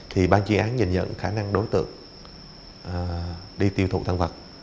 thì ba chuyên án nhận nhận khả năng đối tượng đi tiêu thụ thân vật